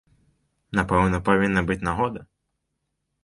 Напэўна, павінна быць нагода.